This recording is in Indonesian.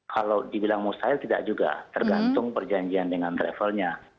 kalau dibilang mustahil tidak juga tergantung perjanjian dengan travelnya